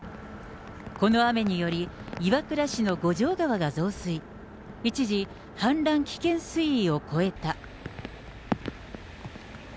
この雨により、岩倉市の五条川が増水、一時、氾濫危険水位を超えた。